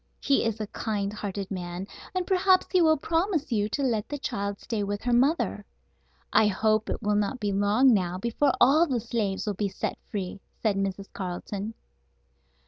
He is a kind hearted man, and perhaps he will promise you to let the child stay with her mother. I hope it will not be long now before all the slaves will be set free," said Mrs. Carleton.